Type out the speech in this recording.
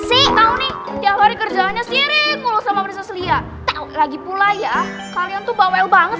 sih tahu nih tiap hari kerjaannya sirikuluh sama prinses lia lagi pula ya kalian tuh bawel banget